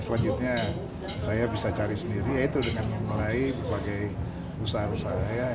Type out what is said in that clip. selanjutnya saya bisa cari sendiri yaitu dengan memulai berbagai usaha usaha